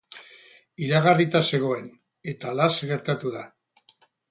Iragarrita zegoen eta halaxe gertatu da.